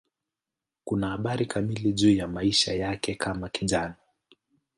Hakuna habari kamili juu ya maisha yake kama kijana.